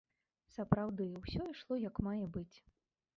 Сапраўды, усё ішло як мае быць.